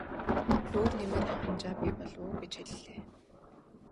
Өөр нэмэр хамжаа бий болов уу гэж хэллээ.